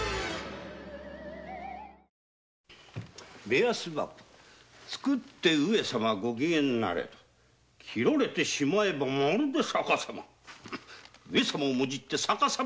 「目安箱作って上様ご機嫌なれど切られてしまえばまるで逆様」